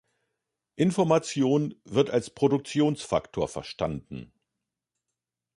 Information wird als Produktionsfaktor verstanden.